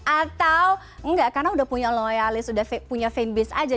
atau enggak karena udah punya loyalis udah punya fanbase aja